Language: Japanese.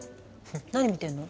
何見てるの？